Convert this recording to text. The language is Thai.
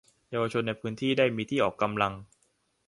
เยาวชนในพื้นที่ได้มีที่ออกกำลัง